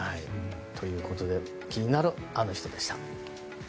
ということで気になるアノ人でした。